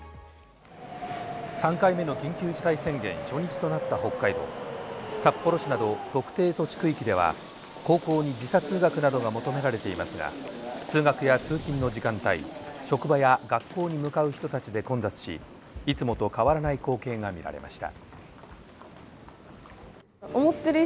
３回目の緊急事態宣言初日となった北海道、札幌市など特定措置区域では登校に時差通学などが求められていますが、通学や通勤の時間帯、職場や学校に向かう人たちで混雑しいつもと変わらない光景が見られました。